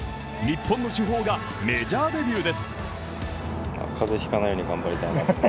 日本の主砲がメジャーデビューです。